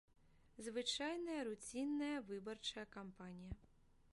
Звычайная, руцінная выбарчая кампанія.